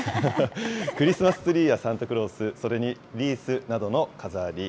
クリスマスツリーやサンタクロース、それにリースなどの飾り。